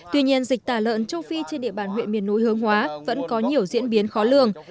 tuy nhiên dịch tả lợn châu phi trên địa bàn huyện miền núi hướng hóa vẫn có nhiều diễn biến khó lường